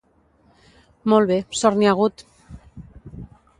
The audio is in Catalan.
Molt bé, sort n'hi ha hagut!